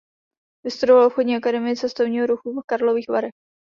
Vystudoval Obchodní akademii cestovního ruchu v Karlových Varech.